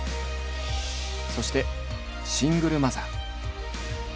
そしてシングルマザー。